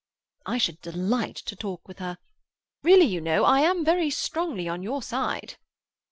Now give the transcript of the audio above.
"I should delight to talk with her. Really, you know, I am very strongly on your side."